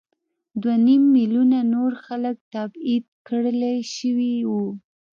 دوه نیم میلیونه نور خلک تبعید کړای شوي وو.